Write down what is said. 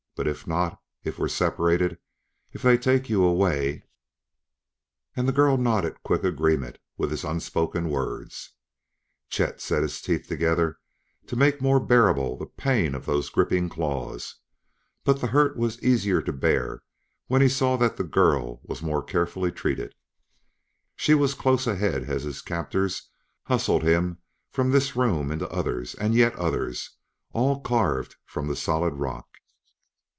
But if not if we're separated if they take you away " And the girl nodded quick agreement with his unspoken words. Chet set his teeth together to make more bearable the pain of those gripping claws; but the hurt was easier to bear when he saw that the girl was more carefully treated. She was close ahead as his captors hustled him from this room into others and yet others, all carved from the solid rock.